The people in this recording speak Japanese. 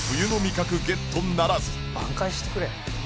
挽回してくれ。